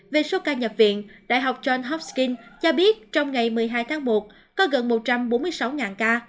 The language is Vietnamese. về số ca nhập viện đại học john hopsking cho biết trong ngày một mươi hai tháng một có gần một trăm bốn mươi sáu ca